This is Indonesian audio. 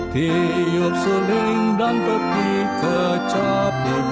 tiup suling dan peti kecapnya